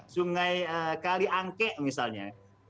sungai kaliangke misalnya